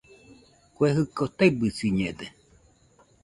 Kue jɨko taɨbɨsiñede